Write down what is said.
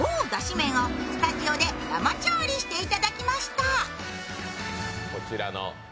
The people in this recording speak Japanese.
麺をスタジオで生調理していただきました。